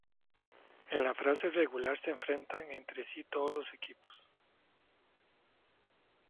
En la fase regular se enfrentan entre sí todos los equipos.